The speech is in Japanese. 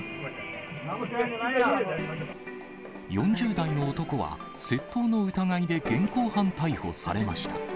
４０代の男は、窃盗の疑いで現行犯逮捕されました。